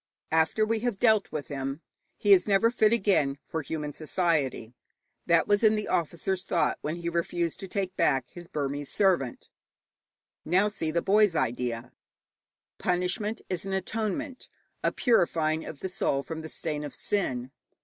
After we have dealt with him, he is never fit again for human society. That was in the officer's thought when he refused to take back his Burmese servant. Now see the boy's idea. Punishment is an atonement, a purifying of the soul from the stain of sin.